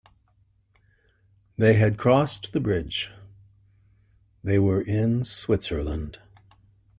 They had crossed the bridge; they were in Switzerland.